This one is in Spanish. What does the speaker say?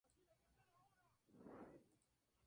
El consejo municipal está elegido según seis distritos.